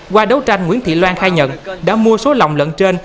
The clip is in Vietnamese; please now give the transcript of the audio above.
qua đấu tranh nguyễn thị loan khai nhận đã mua số lồng lợn trên